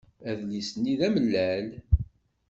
Adlis-nni d amellal.